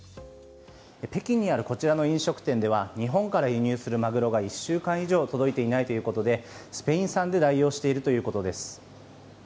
北京にあるこちらの飲食店では日本から輸入するマグロが１週間以上届いていないということでスペイン産で代用しているということです。